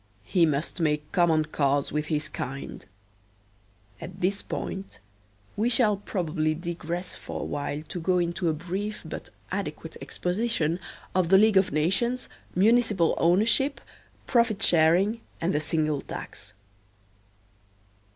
He must make common cause with his kind. At this point we shall probably digress for a while to go into a brief but adequate exposition of the League of Nations, municipal ownership, profit sharing and the single tax.